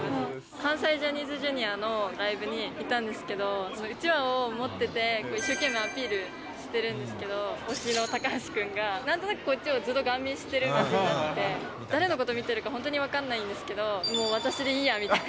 関西ジャニーズＪｒ．のライブに行ったんですけど、うちわを持ってて、一生懸命アピールしてるんですけど、推しの高橋君がなんとなくこっちをずっとガン見してるような気がして、誰のこと見てるか本当に分かんないんですけど、もう私でいいやみたいな。